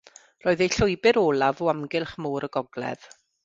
Roedd ei llwybr olaf o amgylch Môr y Gogledd.